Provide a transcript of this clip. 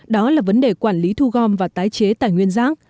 đó là vấn đề quản lý thu gom và tái chế tài nguyên rác